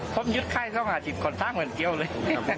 พบยุทธ์ข้ายต้องหา๑๐คนท่ามเหมือนเกลียวเลย